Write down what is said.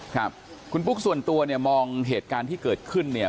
ครับคุณปุ๊กส่วนตัวเนี่ยมองเหตุการณ์ที่เกิดขึ้นเนี่ย